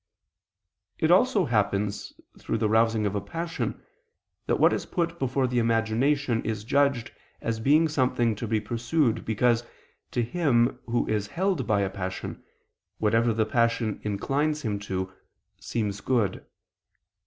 It also happens, through the rousing of a passion, that what is put before the imagination, is judged, as being something to be pursued, because, to him who is held by a passion, whatever the passion inclines him to, seems good.